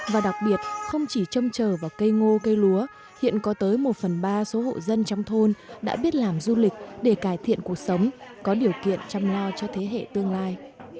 và đặc biệt không chỉ trông chờ vào cây ngô cây lúa hiện có tới một phần ba số hộ dân trong thôn đã biết làm du lịch để cải thiện cuộc sống có điều kiện chăm lo cho thế hệ tương lai